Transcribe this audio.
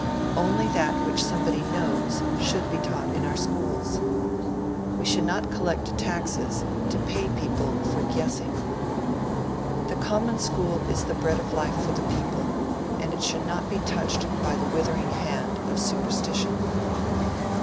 Only that which somebody knows should be taught in our schools. We should not collect taxes to pay people for guessing. The common school is the bread of life for the people, and it should not be touched by the withering hand of superstition.